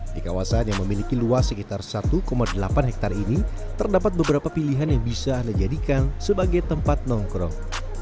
di kawasan yang memiliki luas sekitar satu delapan hektare ini terdapat beberapa pilihan yang bisa anda jadikan sebagai tempat nongkrong